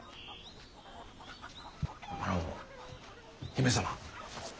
あの姫様。